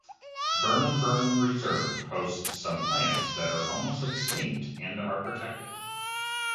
Burnum Burnum Reserve hosts some plants that are almost extinct and are protected.